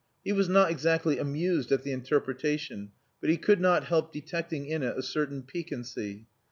He was not exactly amused at the interpretation, but he could not help detecting in it a certain piquancy.